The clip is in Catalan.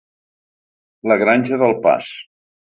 La granja del pas.